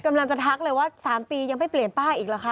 กำลังจะทักเลยว่า๓ปียังไม่เปลี่ยนป้ายอีกเหรอคะ